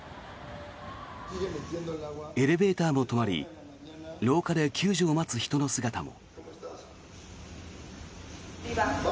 エレベーターも止まり廊下で救助を待つ人の姿も。